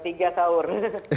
ya jam tiga sahur